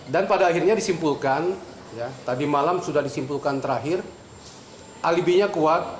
dan pada akhirnya disimpulkan tadi malam sudah disimpulkan terakhir alibinya kuat